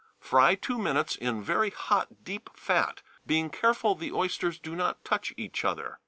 Fry two minutes in very hot deep fat, being careful the oysters do not touch each other.